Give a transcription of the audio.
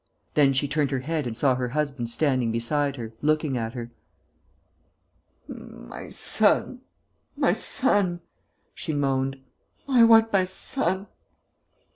Then she turned her head and saw her husband standing beside her, looking at her: "My son ... my son ..." she moaned. "I want my son...."